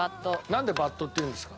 なんでバットっていうんですか？